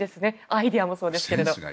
アイデアもそうですが。